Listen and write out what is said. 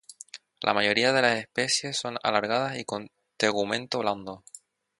La mayoría de las especies son alargadas y con tegumento blando.